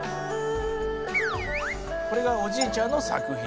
これがおじいちゃんの作品。